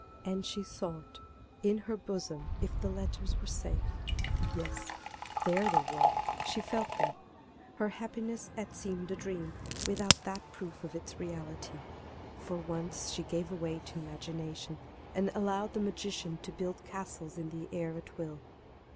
And she sought in her bosom if the letters were safe. Yes; there they were; she felt them. Her happiness had seemed a dream without that proof of its reality. For once she gave way to imagination, and allowed that magician to build castles in the air at will.